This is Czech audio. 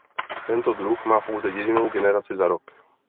Tento druh má pouze jedinou generaci za rok.